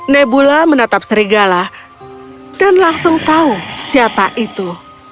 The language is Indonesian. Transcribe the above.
nebula menatap serigala dan langsung tahu siapa itu